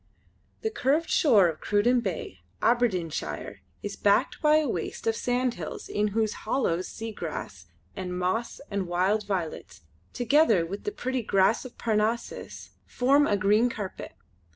The curved shore of Cruden Bay, Aberdeenshire, is backed by a waste of sandhills in whose hollows seagrass and moss and wild violets, together with the pretty "grass of Parnassus" form a green carpet.